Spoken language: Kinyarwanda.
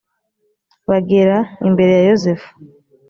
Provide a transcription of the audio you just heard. bagera imbere ya yozefu